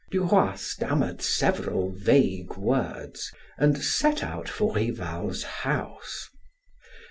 Duroy stammered several vague words and set out for Rival's house.